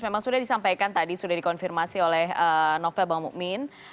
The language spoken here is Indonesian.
memang sudah disampaikan tadi sudah dikonfirmasi oleh novel bang mukmin